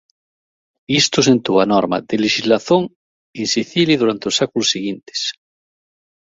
Isto sentou a norma de lexislación en Sicilia durante os séculos seguintes.